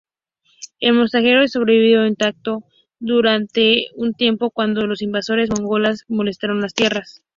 El monasterio sobrevivió intacto durante un tiempo cuando las invasiones mongolas molestaron las tierras.